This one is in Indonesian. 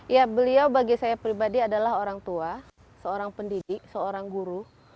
ya beliau bagi saya pribadi adalah orang tua seorang pendidik seorang guru